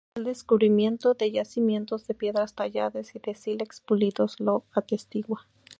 El descubrimiento de yacimientos de piedras talladas y de sílex pulidos lo atestigua.